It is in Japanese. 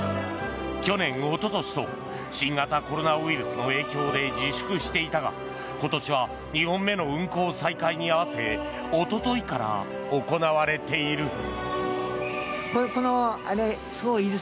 去年おととしと新型コロナウイルスの影響で自粛していたが今年は２本目の運行再開に合わせおとといから行われている。